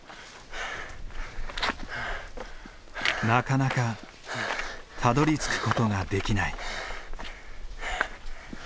なかなかたどりつく事ができない。